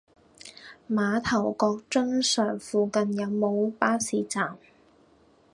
馬頭角瑧尚附近有無巴士站？